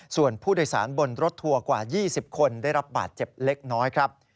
ส่วนผู้โดยสารบนรถทัวร์กว่า๒๐คนได้รับบาดเจ็บเล็กน้อยครับ